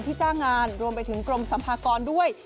จ้างงานรวมไปถึงกรมสัมภากรด้วย